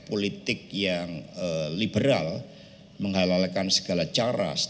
politik yang liberal menghalalkan segala cara